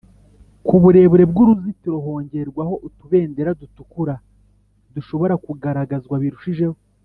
kuburebure bw’uruzitiro hongerwaho utubendera dutukura dushobora kugaragazwa birushijeho